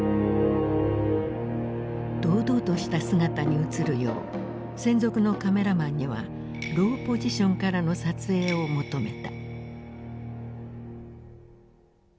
堂々とした姿に映るよう専属のカメラマンにはローポジションからの撮影を求めた。